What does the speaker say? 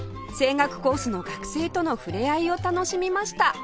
声楽コースの学生との触れ合いを楽しみました